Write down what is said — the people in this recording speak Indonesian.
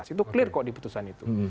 itu clear kok di putusan itu